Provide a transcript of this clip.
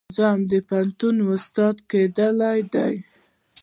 پنځم د پوهنتون استاد کیدل دي.